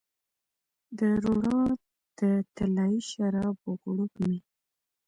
د روڼا د طلایې شرابو غوړپ مې